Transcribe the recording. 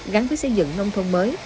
gắn với xây dựng nông thôn mới